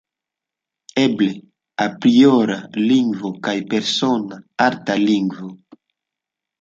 Eble apriora lingvo kaj persona arta lingvo.